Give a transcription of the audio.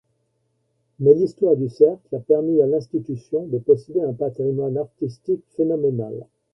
Mais l'histoire du Cercle a permis à l'institution de posséder un patrimoine artistique phénoménal.